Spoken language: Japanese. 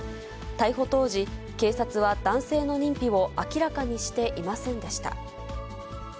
逮捕当時、警察は男性の認否を明らかにしていませんでした。